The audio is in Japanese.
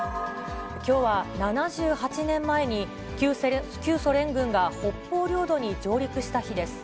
きょうは７８年前に、旧ソ連軍が北方領土に上陸した日です。